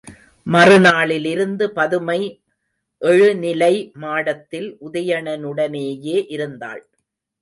மறுநாளிலிருந்து பதுமை எழுநிலை மாடத்தில் உதயணனுடனேயே இருந்தாள்.